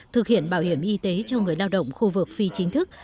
thực hiện bảo hiểm y tế cho người lao động khu vực phi chính thức